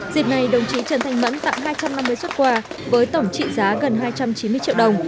dịp này đồng chí trần thanh mẫn tặng hai trăm năm mươi xuất quà với tổng trị giá gần hai trăm chín mươi triệu đồng